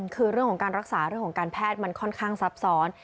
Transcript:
คือเรื่องของการรักษาเรื่องของการแพทย์มันค่อนข้างซับซ้อน